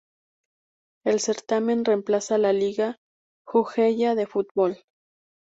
El certamen reemplaza al Liga Jujeña de Fútbol.